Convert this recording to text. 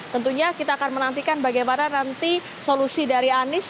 tentunya kita akan menantikan bagaimana nanti solusi dari anies